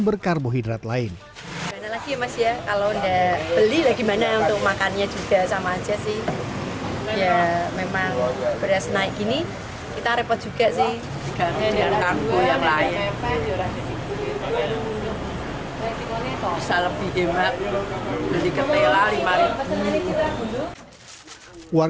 harganya segini berani nggak